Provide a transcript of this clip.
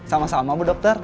sama sama bu dokter